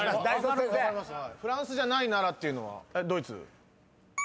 「フランス」じゃないならっていうのは。